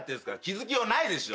気付きようないでしょ。